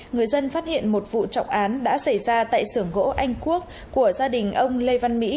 người dân phát hiện một vụ trọng án đã xảy ra tại sưởng gỗ anh quốc của gia đình ông lê văn mỹ